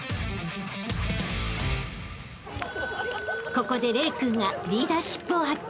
［ここで玲君がリーダーシップを発揮］